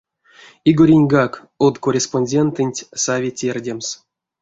Игореньгак, од корреспондентэнть, сави тердемс.